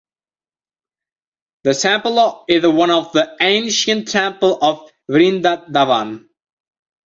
The temple is one of the ancient temple of Vrindavan.